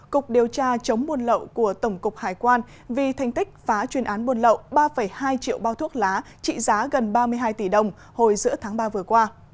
cục điều tra chống buôn lậu của tổng cục hải quan vì thành tích phá chuyên án buôn lậu ba hai triệu bao thuốc lá trị giá gần ba mươi hai tỷ đồng hồi giữa tháng ba vừa qua